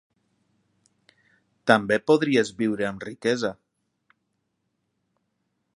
També podries viure amb riquesa.